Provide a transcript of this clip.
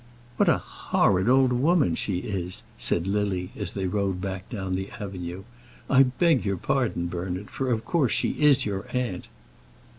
"What a horrid old woman she is," said Lily, as they rode back down the avenue. "I beg your pardon, Bernard; for, of course, she is your aunt."